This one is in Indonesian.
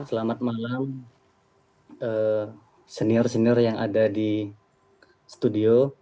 selamat malam senior senior yang ada di studio